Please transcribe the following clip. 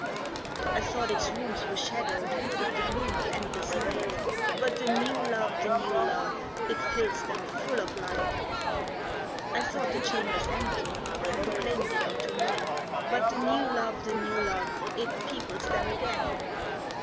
I thought its rooms were shadowed With the gloom of endless night; But the new love, the new love, It fills them full of light. I thought the chambers empty, And proclaimed it unto men; But the new love, the new love, It peoples them again.